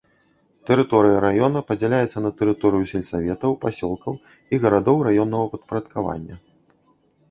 Тэрыторыя раёна падзяляецца на тэрыторыю сельсаветаў, пасёлкаў і гарадоў раённага падпарадкавання.